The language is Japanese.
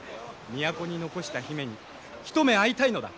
都に残した姫に一目会いたいのだ。